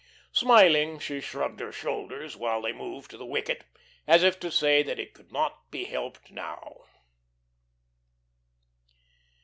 Smiling, she shrugged her shoulders, while they moved to the wicket, as if to say that it could not be helped now.